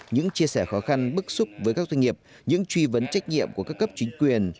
những chia sẻ khó khăn bức xúc với các doanh nghiệp những truy vấn trách nhiệm của các cấp chính quyền